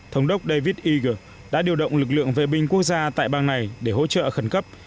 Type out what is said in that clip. thống đốc david eager đã điều động lực lượng vệ binh quốc gia tại bang này để hỗ trợ khẩn cấp